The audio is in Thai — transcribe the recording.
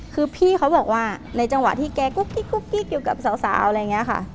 คือพี่เขาบอกว่าในจังหวะที่แกกุ๊กกิ๊กอยู่กับสาวอะไรอย่างนี้ค่ะ